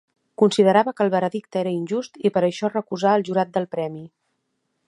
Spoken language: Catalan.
Considerava que el veredicte era injust i per això recusà el jurat del premi.